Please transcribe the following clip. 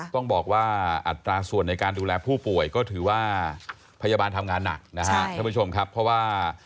ต้องบอกว่าอัตราส่วนในการดูแลผู้ป่วยก็ถือว่า